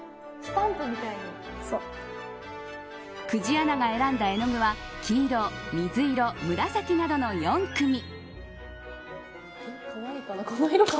久慈アナが選んだ絵の具は黄色、水色、紫などの４組。